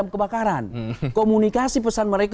kebakaran komunikasi pesan mereka